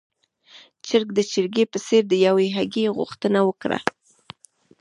چرګ د چرګې په څېر د يوې هګۍ غوښتنه وکړه.